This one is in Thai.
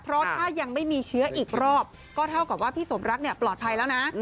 เพราะถ้ายังไม่มีเชื้ออีกรอบก็เท่ากับว่าพี่สมรักเนี่ยปลอดภัยแล้วนะ